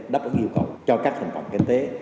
đáp ứng yêu cầu cho các thành phần kinh tế